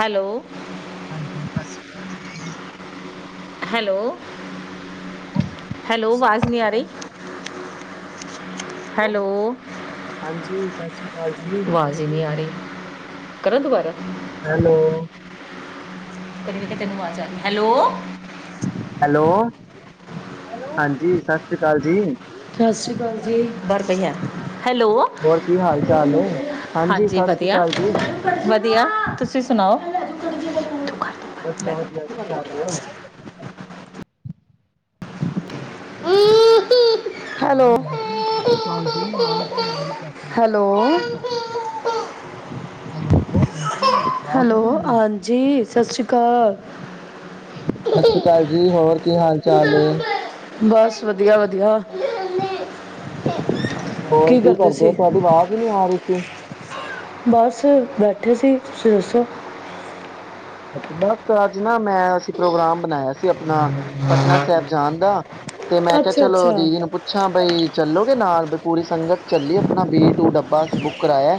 Hello ਹਾਂਜੀ ਸਤਿ ਸ੍ਰੀ ਅਕਾਲ ਜੀ। ਹੈਲੋ ਅਕਾਲ ਜੀ ਹੈਲੋ ਆਵਾਜ਼ ਸਤਿ ਸ਼੍ਰੀ ਅਕਾਲ ਨੀ ਆ ਰਹੀ। ਜੀ ਹੈਲੋ, ਹਾਂਜੀ ਸਾਸਰੀ ਆਵਾਜ਼ ਈ ਨੀ ਆ ਰਹੀ। ਕਰਾਂ ਦੁਬਾਰਾ। ਹੈਲੋ ਕਦੇ ਤੈਨੂੰ ਆਵਾਜ ਆ ਰਹੀ ਹੈਲੋ ਹੈਲੋ, ਹੈਲੋ ਹਾਂਜੀ ਸਤਿ ਸ੍ਰੀ ਅਕਾਲ ਜੀ। ਸਤਿ ਸ਼੍ਰੀ ਅਕਾਲ ਜੀ। ਬਾਹਰ ਪਈਆ। ਹੈਲੋ, ਹੋਰ ਕੀ ਹਾਲ ਚਾਲ ਹੈ ਹਾਂਜੀ ਸਤਿ ਸ਼੍ਰੀ ਵਧੀਆ ਅਕਾਲ ਜੀ ਵਧੀਆ, ਵਧੀਆ ਤੁਸੀਂ ਸੁਣਾਓ। ਵਧੀਆ ਵਧੀਆ ਕੀ ਕਰ ਰਹੇ ਹੋ ਹੈਲੋ ਹਾਂਜੀ ਸਤਿ ਸ੍ਰੀ ਅਕਾਲ ਜੀ ਆਵਾਜ਼ [unintelligible] ਆ ਰਹੀ ਤੁਹਾਡੀ ਹੈਲੋ ਹੈਲੋ ਹਾਂਜੀ ਆਵਾਜ਼ ਹੈਲੋ ਨਹੀਂ ਆ ਰਹੀ ਹਾਂਜੀ ਸਤਿ ਸ਼੍ਰੀ ਕਾਲ। ਸਤਿ ਸ਼੍ਰੀ ਅਕਾਲ ਜੀ ਹੋਰ ਕੀ ਹਾਲ ਚਾਲ ਏ? ਬਸ ਵਧੀਆ-ਵਧੀਆ। ਹੋਰ ਕੀ ਕਰਦੇ ਤੁਹਾਡੀ ਆਵਾਜ਼ ਈ ਨੀ ਆ ਰਹੀ ਸੀ। ਬਸ ਬੈਠੇ ਸੀ ਤੁਸੀਂ ਦੱਸੋ। ਬਸ ਅੱਜ ਨਾ ਮੈਂ ਅਸੀਂ ਪ੍ਰੋਗਰਾਮ ਬਣਾਇਆ ਸੀ ਆਪਣਾ, ਪਟਨਾ ਸਾਹਿਬ ਜਾਣ ਦਾ ਤੇ ਮੈਂ ਕਿਹਾ ਅੱਛਾ ਚਲੋ ਅੱਛਾ ਦੀਦੀ ਨੂੰ ਪੁੱਛਾਂ ਬਈ ਚੱਲੋਗੇ ਨਾਲ ਪੂਰੀ ਸੰਗਤ ਚੱਲੀ ਐ ਆਪਣਾ ਬੀ ਟੂ ਡੱਬਾ ਅਸੀਂ ਬੁੱਕ ਕਰਾਇਆ।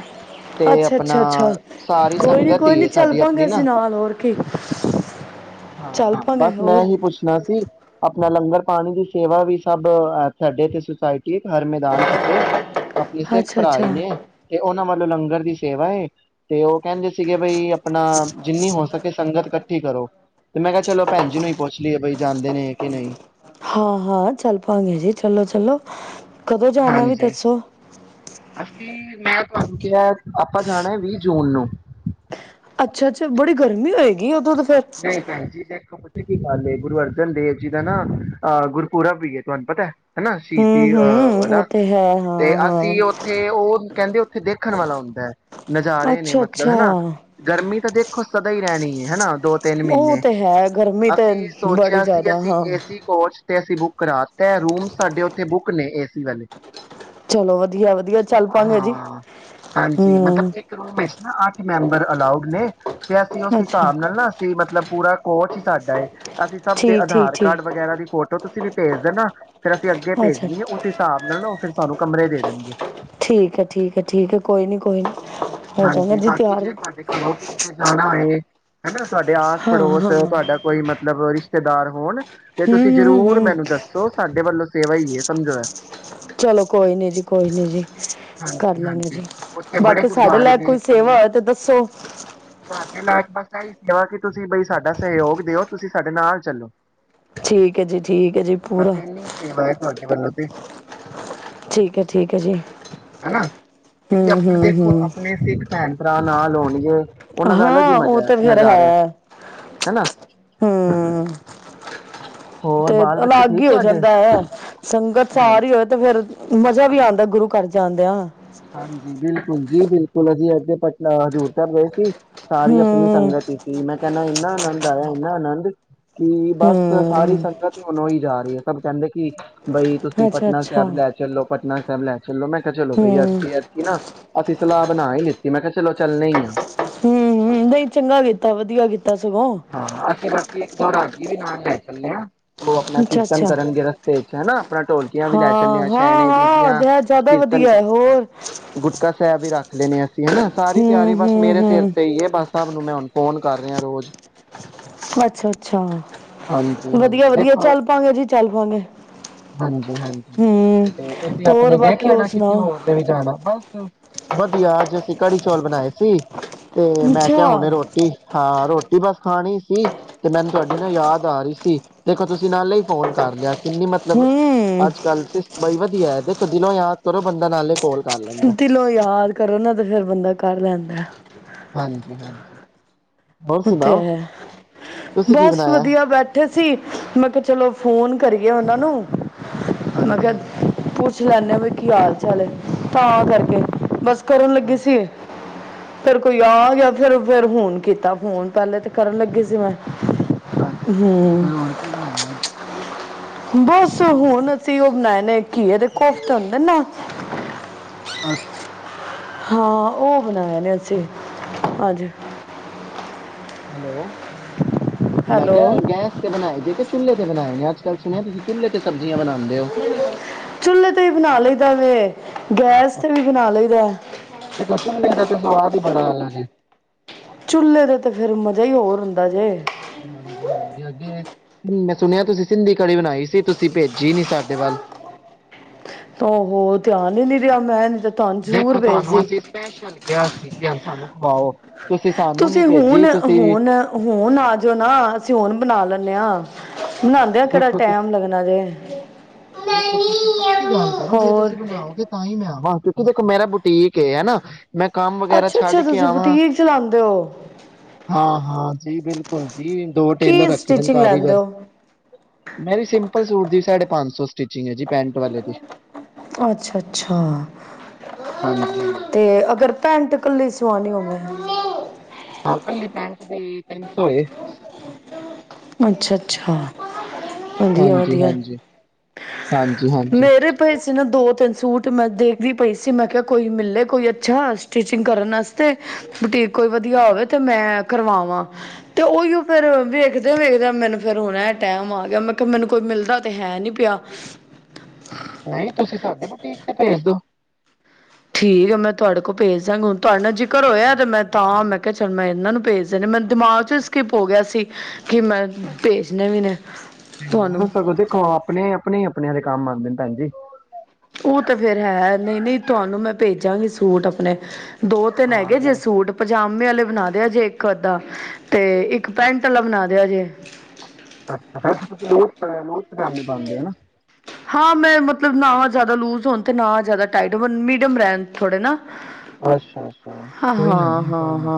ਤੇ ਅੱਛਾ ਆਪਣਾ ਅੱਛਾ ਅੱਛਾ ਸਾਰੀ ਕੋਈ ਨੀ ਸੰਗਤ ਕੋਈ ਹੀ ਨੀ ਹੈ ਸਾਡੀ ਚੱਲਪਾਂਗੇ ਆਪਣੀ ਅਸੀਂ ਨਾ ਨਾਲ। ਹੋਰ ਕੀ ਚੱਲ ਹਾਂ ਪਾਂਗੇ ਬਸ ਮੈਂ ਹੋਰ ਏਹੀ ਪੁੱਛਣਾ ਸੀ। ਆਪਣਾ ਲੰਗਰ ਪਾਣੀ ਦੀ ਸੇਵਾ ਵੀ ਸਭ ਸਾਡੇ ਇਥੇ ਸੁਸਾਇਟੀ ਹਰ ਮੈਦਾਨ ਫਤਿਹ ਆਪਣੇ ਸਿੱਖ ਅੱਛਾ ਭਰਾ ਅੱਛਾ ਹੀ ਨੇ, ਤੇ ਉਹਨਾਂ ਵੱਲੋਂ ਲੰਗਰ ਦੀ ਸੇਵਾ ਏ ਤੇ ਉਹ ਕਹਿੰਦੇ ਸੀਗੇ ਬਈ ਆਪਣਾ ਜਿੰਨੀ ਹੋ ਸਕੇ ਸੰਗਤ ਇਕੱਠੀ ਕਰੋ, ਤੇ ਮੈਂ ਕਿਹਾ ਚਲੋ ਭੈਣ ਜੀ ਨੂੰ ਹੀ ਪੁੱਛ ਲਈਏ ਬਈ ਜਾਂਦੇ ਨੇ ਕਿ ਨਹੀਂ। ਹਾਂ-ਹਾਂ ਚੱਲ ਪਾਾਂਗੇ ਜੀ ਚੱਲੋ-ਚੱਲੋ। ਕਦੋਂ ਜਾਣਾ ਏ ਵੀ ਹਾਂਜੀ ਦੱਸੋ? ਅਸੀਂ ਮੈਂ ਤੁਹਾਨੂੰ ਕਿਹਾ ਆਪਾਂ ਜਾਣਾ ਵੀਹ ਜੂਨ ਨੂੰ। ਅੱਛਾ ਅੱਛਾ ਬੜੀ ਗਰਮੀ ਹੋਏਗੀ ਉਦੋਂ ਤੇ ਨਹੀਂ ਭੈਣ ਜੀ ਦੇਖੋ ਕੀ ਗਲ ਏ ਗੁਰੂ ਅਰਜਨ ਦੇਵ ਜੀ ਦਾ ਨਾ ਅਹ ਗੁਰਪੁਰਾਬ ਵੀਏ ਤੁਹਾਨੂੰ ਪਤਾ ਹੈਨਾ ਹੂੰ ਸ਼ਹੀਦੀ ਹੂੰ ਅਹ ਉਹ ਹੈਨਾ ਤੇ ਹੈ ਤੇ ਹਾਂ ਹਾਂ ਅਸੀਂ ਉੱਥੇ ਉਹ ਕਹਿੰਦੇ ਉੱਥੇ ਦੇਖਣ ਵਾਲਾ ਹੁੰਦਾ ਹੈ ਨਜ਼ਾਰੇ ਨੇ ਅੱਛਾ ਮਤਲਬ ਅੱਛਾ ਹੈਨਾ ਗਰਮੀ ਤਾਂ ਦੇਖੋ ਸ ਸਦਾ ਹੀ ਰਹਿਣੀ ਹੈ ਹੈਨਾ ਦੋ ਤਿੰਨ ਉਹ ਮਹੀਨੇ ਤੇ ਹੈ ਗਰਮੀ ਤੇ ਅਸੀਂ ਬੜੀ ਸੋਚਿਆ ਸੀ ਜ਼ਿਆਦਾ ਅਸੀਂ ਹਾਂ ਏਸੀ ਕੋਚ ਅਸੀਂ ਬੁੱਕ ਕਰਾ ਤੇ ਰੂਮ ਸਾਡੇ ਉੱਥੇ ਬੁੱਕ ਨੇ ਏ ਸੀ ਵਾਲੇ ਚਲੋ ਵਧੀਆ ਵਧੀਆ ਚੱਲ ਪਾਂਗੇ ਜੀ ਹਾਂ ਹਾਂਜੀ ਮਤਲਬ ਹਮ ਇੱਕ ਰੂਮ ਵਿੱਚ ਨਾ ਅੱਠ ਮੈਂਬਰ ਅਲਾਊਡ ਨੇ ਤੇ ਅਸੀਂ ਉਸ ਅੱਛਾ ਹਿਸਾਬ ਨਾਲ ਨਾ ਮਤਲਬ ਪੂਰਾ ਕੋਚ ਹੀ ਸਾਡਾ ਐ ਅਸੀਂ ਸਭ ਦੇ ਠੀਕ ਠੀਕ ਆਧਾਰ ਕਾਰਡ ਠੀਕ ਵਗੈਰਾ ਦੀ ਫੋਟੋ ਤੁਸੀਂ ਵੀ ਭੇਜ ਦੇ ਨਾ ਫੇਰ ਅਸੀਂ ਅੱਗੇ ਅੱਛਾ ਭੇਜਣੀ ਆ ਉਸ ਹਿਸਾਬ ਨਾਲ ਉਹ ਫਿਰ ਤੁਹਾਨੂੰ ਕਮਰੇ ਦੇ ਦੇਣਗੇ ਠੀਕ ਹੈ ਠੀਕ ਹੈ ਠੀਕ ਹੈ ਕੋਈ ਨੀ ਕੋਈ ਨੀ ਹੋ ਜਾਗਾ ਹਾਂਜੀ ਜੀ ਬਾਕੀ ਜੇ ਤਿਆਰ ਤੁਹਾਡੇ ਘਰੋਂ ਕਿਸੇ ਨੇ ਜਾਣਾ ਹੋਏ ਹੈਨਾ ਤੁਹਾਡੇ ਆਸ ਹਾਂ ਪੜੋਸ ਹਾਂ ਹਮ ਤੁਹਾਡਾ ਕੋਈ ਮਤਲਬ ਰਿਸ਼ ਰਿਸ਼ਤੇਦਾਰ ਹੋਣ ਤੇ ਤੁਸੀਂ ਹਮ ਜ਼ਰੂਰ ਹਮ ਮੈਨੂੰ ਦੱਸੋ ਸਾਨੂੰ ਦੇ ਵੱਲੋਂ ਸੇਵਾ ਹੀ ਸਮਝੋ ਐ ਚਲੋ ਕੋਈ ਨੀ ਜੀ ਕੋਈ ਨੀ ਜੀ ਕਰ ਹਾਂਜੀ ਲਾਂਗੇ ਹਾਂਜੀ ਜੀ ਉੱਥੇ ਬੜੇ ਬਾਕੀ ਸਾਡੇ ਗੁਰਦੁਆਰੇ ਲਾਇਕ ਨੇ ਕੋਈ ਤਾਂ ਸੇਵਾ ਹੋ ਤੇ ਦੱਸੋ ਤੁਹਾਡੇ ਬਸ ਇਹੀ ਸੇਵਾ ਕਿ ਤੁਸੀਂ ਬਈ ਸਾਡਾ ਸਹਿਯੋਗ ਦਿਓ ਤੁਸੀਂ ਸਾਡੇ ਨਾਲ ਚੱਲੋ ਠੀਕ ਹੈ ਜੀ ਠੀਕ ਹੈ ਜੀ ਪੂਰਾ ਬਦ ਤੇ [unintelligible] ਠੀਕ ਹੈ ਠੀਕ ਹੈ ਜੀ ਹਨਾ ਹਮ ਕਿਉਂਕਿ ਆਪਣਾ ਹਮ ਦੇਖੋ ਹਮ ਆਪਣੇ ਸਿੱਖ ਭੈਣ ਆਪਰਾ ਨਾ ਲਾਉਣਗੇੇ ਹਾਂ ਉਹ ਤੇ ਫੇਰ ਹੈ ਹਨਾ ਹਮ ਹੋਰ ਤੇ ਬਾਲ ਬੱਚੇ ਅਲੱਗ ਠੀਕ ਹੀ ਹੋ ਤੁਹਾਡੇ ਜਾਂਦਾ ਹੈ ਸੰਗਤ ਹਾਂ ਸਾਰੀ ਹੀ ਹੋਏ ਤੇ ਫਿਰ ਮਜ਼ਾ ਵੀ ਆਉਂਦਾ ਗੁਰੂ ਘਰ ਜਾਂਦਿਆਂ ਹਾਂਜੀ ਬਿਲਕੁਲ ਜੀ ਬਿਲਕੁਲ ਅਸੀਂ ਅ ਪਟਨਾ ਹਜ਼ੂਰ ਸਾਹਿਬ ਗਏ ਸੀ। ਸਾਰੀ ਆਪਣੀ ਹਮ ਸੰਗਤ ਹੀ ਸੀ ਮੈਂ ਕਹਿੰਦਾ ਇੰਨਾ ਆਨੰਦ ਆਇਆ ਇੰਨਾ ਆਨੰਦ ਕਿ ਬਸ ਸਾਰੀ ਹਮ ਸੰਗਤ ਹੀ ਮਨੋਈ ਜਾ ਰਹੀ ਹੈ ਸਭ ਕਹਿੰਦੇ ਕਿ ਬਈ ਤੁਸੀਂ ਅੱਛਾ ਪਟਨਾ ਸਾਹਿਬ ਅੱਛਾ ਲੈ ਚਲੋ ਪਟਨਾ ਸਭ ਲੈ ਚਲੋ ਮੈਂ ਕਿਹਾ ਚਲੋ ਭਈ ਹੂੰ, ਤੇ ਐਤਕੀ ਨਾ ਅਸੀਂ ਸਲਾਹ ਬਣਾ ਹੀ ਲਿੱਤੀ ਮੈਂ ਕਿਹਾ ਚਲੋ ਚੱਲਣੇ ਆ। ਨਹੀ ਚੰਗਾ ਕੀਤਾ ਵਧੀਆ ਕੀਤਾ। ਸਗੋਂ। ਹਾਂ ਅਸੀ ਬਾਕੀ ਜੀ ਵੀ ਨਾਲ ਲੈ ਚੱਲੇ ਆ। ਉਹ ਆਪਣਾ ਕੀਰਤਨ ਅੱਛਾ-ਅੱਛਾ। ਕਰਨਗੇ ਰਸਤੇ ਚ ਹੈਨਾ ਹਾਂ ਹਾਂ ਹਾਂ ਦਾ ਜ਼ਿਆਦਾ ਵਧੀਆ ਹੈ ਹੋਰ ਤੇ ਐ ਵੀ ਰੱਖ ਲੈਣੇ ਆ ਹਨਾ ਸਾਰੀ ਤਿਆਰੀ ਬਸ ਮੇਰੇ ਸਿਰ ਹੂੰ-ਹੂੰ-ਹੂੰ। ਤੇ ਹੀ ਹੈ ਬਸ ਸਬ ਨੂੰ ਮੈਂ ਹੁਣ ਫੋਨ ਕਰ ਰਿਹਾ ਰੋਜ਼ ਅੱਛਾ ਅੱਛਾ ਹਾਂਜੀ ਵਧੀਆ ਹਾਂਜੀ ਵਧੀਆ ਦੇਖੋ ਚੱਲ ਪਾਗੇ ਜੀ ਚੱਲ ਪਾਂਗੇ। ਹਾਂਜੀ ਹਾਂਜੀ ਹੂੰ ਤੇ ਤੁਸੀਂ ਹੋਰ ਆਪਣੇ ਦੇਖ ਬਾਕੀ ਹੋਰ ਲੈਣਾ ਕਿਸੇ ਸੁਣਾਓ। ਨੇ ਵੀ ਜਾਣਾ ਬਸ ਵਧੀਆ ਅੱਜ ਅਸੀਂ ਕੜੀ ਚੌਲ ਬਣਾਏ ਸੀ। ਤੇ ਮੈਂ ਕਿਹਾ ਹੁਣੇ ਅੱਛਾ। ਰੋਟੀ ਹਾਂ ਰੋਟੀ ਜੀ ਬਸ ਖਾਣੀ ਸੀ ਤੇ ਮੈਨੂੰ ਤੁਹਾਡੀ ਨਾ ਯਾਦ ਆ ਰਹੀ ਸੀ ਦੇਖੋ ਤੁਸੀਂ ਨਾਲੇ ਹੀ ਫੋਨ ਕਰ ਲਿਆ। ਕਿੰਨੀ ਮਤਲਬ ਹੂੰ ਅੱਜ ਕੱਲ ਸ ਬ ਵਧ ਆ ਹੈ ਦੇਖੋ ਦਿਲੋਂ ਯਾਦ ਕਰੋ ਬੰਦਾ ਨਾਲੇ ਕੋਲ। ਕਰ ਲੈਂਦਾ ਦਿਲੋਂ ਯਾਦ ਕਰੋ ਨਾ ਤੇ ਫੇਰ ਬੰਦਾ ਕਰ ਲੈਂਦਾ। ਹਾਂਜੀ ਹਾਂਜੀ ਹੋਰ ਓ ਤੇ ਸੁਣਾਓ ਹੈ। ਤੁਸੀਂ ਕੀ ਬਸ ਬਣਾਇਆ ਵਧੀਆ ਬੈਠੇ ਸੀ ਮੈਂ ਕਿਹਾ ਚਲੋ ਫ਼ੋਨ ਕਰੀਏ ਉਹਨਾਂ ਨੂੰ ਮੈਂ ਕਿਹਾ ਹਾਂਜੀ-ਹਾਂਜੀ, ਪੁੱਛ ਲੈਂਣੇ ਵ ਕੀ ਹਾਲ ਚਾਲ ਹੈ। ਤਾਂ ਕਰਕੇ ਬਸ ਕਰਨ ਲੱਗੀ ਸੀ। ਫੇਰ ਕੋਈ ਆ ਗਿਆ ਫੇਰ ਫਿਰ ਹੁਣ ਕੀਤਾ। ਹੁਣ ਪਹਿਲੇ ਤਾਂ ਕਰਨ ਲੱਗੇ ਸੀ ਮੈਂ ਅੱਛਾ ਅੱਛਾ ਹੂੰ ਫਿਰ ਹੋਣ ਕੀ ਬਣਾਇਆ ਅੱਜ ਬਸ ਹੁਣ ਅਸੀਂ ਉਹ ਬਣਾਏ ਨੇ ਘਏਦੇ ਕੋਫ ਹੁੰਦੇ ਨਾ [unintelligible] ਹਾਂ ਉਹ ਬਣਾਇਆ ਨੇ ਅਸੀਂ ਅਜ ਹੈਲੋ ਮੈਂ ਹੈਲੋ ਕਿਹਾ ਗੈਸ ਤੇ ਬਣਾਏ ਜੇ ਚੁੱਲੇ ਦੇ ਬਣਾਏ ਨੇ ਅਜ ਕੱਲ ਸੁਣਿਆ ਤੁਸੀਂ ਚੁੱਲੇ ਤੇ ਸਬੀਆਂ ਬਣਾ ਚੁੇਲੇ ਤੇ ਵੀ ਬਣਾ ਲੳ [unintelligible] ਗੈਸ ਤੇ ਵੀ ਬਣਾ ਲਈਦਾ ਹੈ ਦੇਖੋ ਚੁੱਲ੍ਹੇ ਦਾ ਸਵਾਦ ਹੀ ਬੜਾ ਹੈ ਚੁੇਲੇ ਤੇ ਤੇ ਫੇਰ ਮਜ਼ਾ ਹੀ ਹੋਰ ਹੁੰਦਾ ਜੇ ਹਾਂਜੀ ਹਾਂਜੀ ਅਗੇ ਮੈਂ ਸੁਣਿਆ ਤੁਸੀਂ ਸਿੰਧੀ ਕੜੀ ਬਣਾਈ ਸੀ ਤੁਸੀਂ ਭੇਜੀ ਨੀ ਸਾਡੇ ਵੱਲ ਤਾਂ ਉਹ ਧਿਆਨ ਹੀ ਨੀ ਰਿਹਾ ਮੈਂ ਨੀ ਤਾ ਦੇਖੋ ਤੁਹਾਨੂੰ ਅਸੀਂ ਸਪੈਸ਼ਲ ਕਿਹਾ ਸੀ ਕਿ ਇਹ ਸਾਨੂੰ ਖਵਾੳ ਤੁਸੀਂ ਹੁਣ ਹੁਣ ਹੁਣ ਆ ਜਾਓ ਨਾ ਅਸੀਂ ਹੁਣ ਬਣਾ ਲੈਂਦੇ ਹਾਂ ਬਣਾਉਂਦੇ ਆ ਕਿਹੜਾ ਦੇਖੋ ਤੁ ਟਾਈਮ ਲੱਗਣਾ ਜੇ ਦੇਖੋ ਤੁਸੀਂ ਪਕੀ ਗੱਲ ਕਰੋ ਜੇ ਹੋਰ ਤੁਸੀਂ ਬਣਾਓਗੇ ਤਾਂ ਹੀ ਮੈਂ ਆਵਾਂ ਕਿਉਂਕਿ ਦੇਖੋ ਮੇਰਾ ਬੁਟੀਕ ਇਹ ਹੈ ਨਾ ਮੈਂ ਕੰਮ ਵਗੈਰਾ ਅੱਛਾ ਛੱਡ ਅੱਛਾ ਕੇ ਤੁਸੀਂ ਆਵਾਂ ਬੁਟੀਕ ਚਲਾਉਂਦੇ ਹੋ ਹਾਂ ਹਾਂ ਜੀ ਬਿਲਕੁਲ ਜੀ ਦੋ ਟੇਲਰ ਕੀ ਰੱਖੇ ਨੇ ਸਟਿਚਿੰਗ ਲੈਂਦੇ ਕਾਰੀਗਰ ਹੋ ਮੇਰੀ ਸਿੰਪਲ ਸੂਟ ਦੀ ਸਾਢੇ ਪੰਜ ਸੌ ਸਟਿਚਿੰਗ ਹੈ ਜੀ ਪੈਂਟ ਵਾਲੇ ਦੀ ਅੱਛਾ ਅੱਛਾ ਹਾਂਜੀ ਹਾਂਜੀ ਤੇ ਅਗਰ ਭੈਣ ਕੱਲੀ ਸੁਆਣੀ ਹੌਏ ਹਾਂ ਕੱਲੀ ਪੈਂਟ ਦੇ ਤਿੰਨ ਸੌਏ ਅੱਛਾ ਅੱਛਾ ਵਧੀਆ ਹਾਂਜੀ ਵਧੀਆ ਹਾਂਜੀ ਹਾਂਜੀ ਹਾਂਜੀ ਮੇਰੇ ਪਏ ਸੀ ਨਾ ਦੋ ਤਿੰਨ ਸੂਟ ਮੈਂ ਦੇਖਦੀ ਪਈ ਸੀ ਮੈਂ ਕਿਹਾ ਕੋਈ ਮਿਲੇ ਕੋਈ ਅੱਛਾ ਸਟਿਚਿੰਗ ਕਰਨ ਵਾਸਤੇ ਬੁਟੀਕ ਕੋਈ ਵਧੀਆ ਹੋਵੇ ਤੇ ਮੈਂ ਕਰਵਾਵਾਂ ਤੇ ਉਹੀਓ ਫੇਿਰ ਵੇਖ ਵੇਖਦੇ ਮੈਨੂੰ ਫਿਰ ਹਣਾ ਟੈਮ ਆ ਗਿਆ ਮੈਂ ਕਿਹਾ ਮੈਨੂੰ ਕੋਈ ਮਿਲਦਾ ਤੇ ਹੈ ਨੀ ਪਿਆ ਨਹੀਂ ਤੁਸੀਂ ਸਾਡੇ ਬੁਟੀਕ ਤੇ ਭੇਜ ਦੋ ਠੀਕ ਆ ਮੈਂ ਤੁਹਾਡੇ ਕੋਲ ਭੇਜ ਦਾਂਗੀ ਹੁਣ ਤੁਹਾਡੇ ਜ ਘਰ ਹੋਇਆ ਤੇ ਮੈਂ ਤਾਂ ਮੈਂ ਕਿਹਾ ਚੱਲ ਮੈਂ ਇਹਨਾਂ ਨੂੰ ਭੇਜਦੇ ਨੇ ਮੈਨੂੰ ਦਿਮਾਗ ਚ ਸਕਿੱਪ ਹੋ ਗਿਆ ਸੀ ਕਿ ਮੈਂ ਭੇਜਣਾ ਵੀਨ ਤੁਹਾਨੂੰ ਸਗੋਂ ਦੇਖੋ ਆਪਣੇ ਆਪਣੇ ਆਪਣੇ ਦੇ ਕੰਮ ਆਉਂਦੇ ਨੇ ਭੈਣ ਜੀ ਉਹ ਤਾਂ ਫੇਰ ਹੈ ਨਹੀਂ ਨਹੀਂ ਤੁਹਾਨੂੰ ਮੈਂ ਭੇਜਾਂਗੀ ਸੂਟ ਆਪਣੇ ਦੋ ਤਿੰਨ ਹੈਗੇ ਜੇ ਹਾਂ ਸੂਟ ਪਜਾਮੇ ਆਲੇ ਬਣਾ ਦਿਆ ਜੇ ਇੱਕ ਅੱਧਾ, ਤੇ ਇੱਕ ਪੈਂਟ ਵਾਲਾ ਬਣਾ ਦਿਆ ਜੇ। ਅੱਛਾ ਜੀ, ਲੋਰ ਲੋਅਰ ਪਜਾਮੇ ਪਾਉਂਦੇ ਆ ਨਾ? ਹਾਂ ਮੈਂ ਮਤਲਬ ਨਾ ਜ਼ਿਆਦਾ ਲੂਜ ਹੋਣ ਤੇ ਨਾ ਜ਼ਿਆਦਾ ਟਾਈਟ ਹੋ ਮੀਡੀਅਮ ਰਹਿਣ ਥੋੜੇ ਨਾ ਅੱਛਾ-ਅੱਛਾ, ਕੋਈ ਨਾ ਜੀ, ਕੋਈ ਨਾ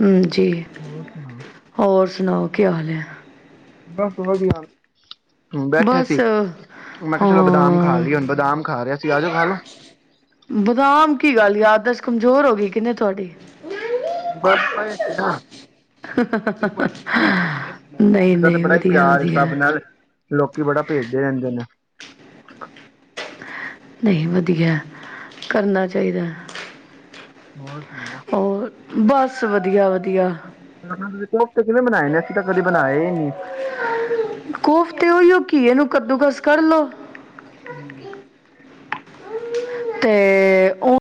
ਹੂੰ ਜੀ, ਹੋਰ ਸੁਣਾ? ਹੋਰ? ਸੁਣਾਓ ਕੀ ਹਾਲ ਆ? ਬਸ ਵਧੀਆ ਹੂੰ, ਬੈਠੇ ਬਸ ਸੀ ਮੈਂ ਕਿਹਾ ਚਲੋ ਬਦਾਮ ਖਾ ਹਾਂ ਲਈਏ ਹੁਣ ਬਦਾਮ ਖਾ ਰਿਹਾ ਸੀ। ਆਜੋ ਖਾ ਲੋ। ਬਦਾਮ ਕੀ ਗੱਲ ਯਾਦਾਸਤ ਕਮਜ਼ੋਰ ਹੋ ਗਈ ਕਿਹਨੇ ਤੁਹਾਡੀ ਬਸ ਪੇ ਸੀਗੇ। ਕਿਸੇ ਬਸ ਕਿਸੇ ਨੇ ਭੇਜੇ ਸੀਗੇ ਮੈਨੂੰ, ਨਹੀਂ ਮੇਰਾ ਤੇ ਨਹੀਂ ਬੜਾ ਹੀ ਵਧੀਆ ਪਿਆਰ ਹੈ ਵਧੀਆ ਸਭ ਨਾਲ ਲੋਕੀ ਬੜਾ ਭੇਜਦੇ ਰਹਿੰਦੇ ਨੇ। [unintelligible] ਨਹੀਂ ਵਧੀਆ ਕਰਨਾ ਚਾਹੀਦਾ। ਹੋਰ ਸੁਣਾਓ? ਹੋਰ ਬਸ ਵਧੀਆ-ਵਧੀਆ ਸੀਂ ਤਾਂ ਕਦੇ ਬਣਾਏ ਹੀ ਨਹੀਂ। ਕੋਫਤੇ ਉਹੀਓ ਕੀ ਇਹਨੂੰ ਕੱਦੂਕਸ ਕਰ ਲੋੋ। ਹੂੰ ਤੇ ਉਹ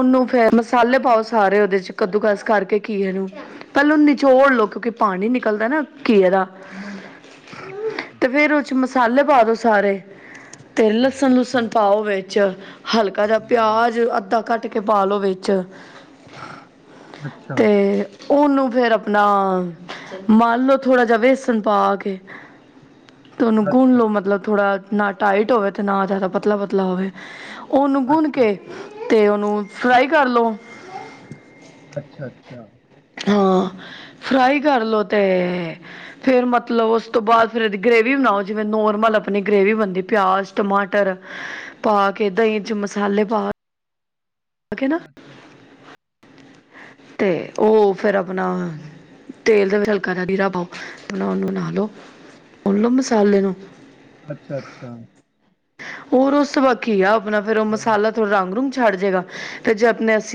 ਉਹਨੂੰ ਫਿਰ ਮਸਾਲੇ ਪਾਓ ਸਾਰੇ ਉਹਦੇ ਚ ਕੱਦੂਕਸ ਕਰਕੇ ਘੀਏ ਨੂੰ। ਪਹਿਲਾਂ ਨਿਚੋੜ ਲਓ ਕਿਉਂਕਿ ਪਾਣੀ ਨਿਕਲਦਾ ਨਾ ਘੀਏ ਦਾ ਤੇ ਫੇਰ ਉਹ 'ਚ ਮਸ ਸਾਲੇ, ਪਾ ਦਓ ਸਾਰੇ। ਤੇ ਲਸਣ, ਲੁਸਣ ਪਾਓਵੇ। ਚ ਹਲਕਾ ਜਿਹਾ ਪਿਆਜ, ਅੱਧਾ ਟ ਕੇ, ਪਾਲੋ ਵਿੱਚ ਅੱਛਾ ਤੇ ਉਹਨੂੰ ਫੇਰ ਆਪਣਾ ਮਲ ਲਓ, ਥੋੜ੍ਹਾ ਜਿਹਾ ਵੇਸਣ ਪਾ ਕੇ। ਅਤੇ ਉਹਨੂੰ ਗੁੰਨ ਅੱਛਾ ਲਓ, ਅੱਛਾ ਮਤਲਬ ਥੋੜ੍ਹਾ ਨਾ ਟਾਈਟ ਹੋਵੇ, ਤੇ ਨਾ ਜ਼ਿਆਦਾ ਪਤਲਾ-ਪਤਲਾ ਹੋਵੇ। ਉਹਨੂੰ ਗੁੰਨ ਅੱਛਾ ਕੇ, ਅੱਛਾ ਤੇ ਉਹਨੂੰ ਫਰਾਈ ਕਰਲੋ। ਅੱਛਾ, ਅੱਛਾ। ਹਾਂ, ਫਰਾਈ ਕਰ ਲਓ। ਤੇ ਫੇਰ, ਮਤਲਬ ਉਸ ਤੋਂ ਬਾਅਦ ਫਿਰ ਇਹਦੀ ਗ੍ਰੇਵੀ ਬਣਾਓ, ਜਿਵੇਂ ਨੋਰਮਲ ਆਪਣੀ ਗ੍ਰੇਵੀ ਬਣਦੀ, ਪਿਆਜ਼-ਟਮਾਟਰ ਪਾ ਕੇ, ਦਹੀਂ 'ਚ ਮਸਾਲੇ ਪਾ ਕੇ ਅੱਛਾ, ਅੱਛਾ। ਤੇ ਉਹ ਫਿਰ ਆਪਣਾ ਤੇਲ ਦੇ ਵਿੱਚ ਹਲਕਾ ਦਾ ਹੀ ਹੀਰਾ ਪਾਓ। ਆਪਣਾ ਉਹਨੂੰ ਹਿਲਾ ਲੋ, ਪੂਨ ਲਓ ਮਸਾਲੇ ਨੂੰ। ਅੱਛਾ, ਅੱਛਾ। ਹੋਰ ਉਸ ਵ ਖਿਆ ਆਪਣਾ ਫਿਰ ਉਹ ਚਲੋ ਮਸਾਲਾ, ਥੋੜਾ ਰੰਗ ਰੂੰਗ। ਛੱਡ ਜਏਗਾ, ਤੇ ਜੇ ਆਪਣੇ ਅਸੀਂ।